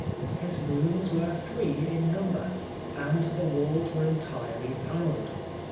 His rooms were three in number, and the walls were entirely panelled.